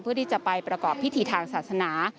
เพื่อที่จะไปประกอบพิธีทางศาสนา